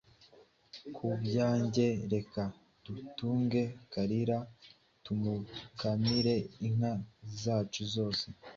Ku bwanjye, reka dutunge Kalira tumukamire inka zacu zose,